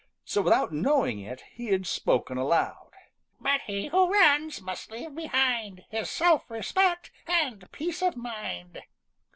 So, without knowing it, he had spoken aloud. "But he who runs must leave behind His self respect and peace of mind."